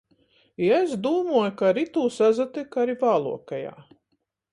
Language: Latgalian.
I es dūmoju, ka ar itū sasatyka ari vāluokajā.